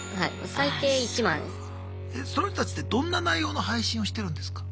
その人たちってどんな内容の配信をしてるんですか？